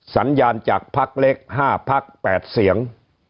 สัญญาณจากพรรคเล็ก๕พรรค๘เสียง